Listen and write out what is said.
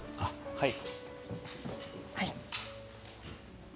はい。